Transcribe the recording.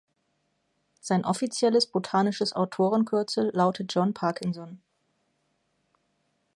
Sein offizielles botanisches Autorenkürzel lautet „John Parkinson“.